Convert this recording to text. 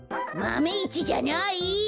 マメ１じゃない！